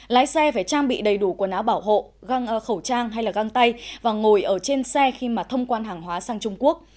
lái xe phải trang bị đầy đủ quần áo bảo hộ khẩu trang hay là găng tay và ngồi ở trên xe khi mà thông quan hàng hóa sang trung quốc